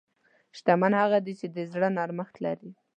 شتمن هغه دی چې د زړه نرمښت لري.